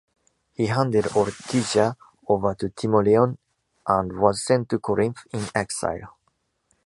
He handed Ortygia over to Timoleon and was sent to Corinth in exile.